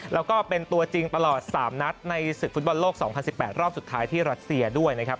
แล้วก็เป็นตัวจริงตลอด๓นัดในศึกฟุตบอลโลก๒๐๑๘รอบสุดท้ายที่รัสเซียด้วยนะครับ